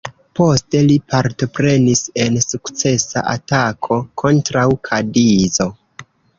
Poste li partoprenis en sukcesa atako kontraŭ Kadizo.